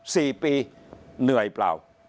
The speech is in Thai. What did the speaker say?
สี่ปีเหนื่อยเปล่า